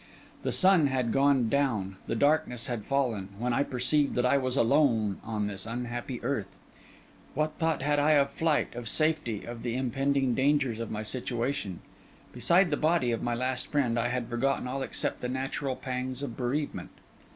The sun had gone down, the darkness had fallen, when I perceived that I was alone on this unhappy earth. What thought had I of flight, of safety, of the impending dangers of my situation? Beside the body of my last friend, I had forgotten all except the natural pangs of my bereavement.